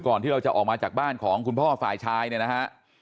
ที่เราจะออกมาจากบ้านของคุณพ่อฝ่ายชายเนี่ยนะฮะ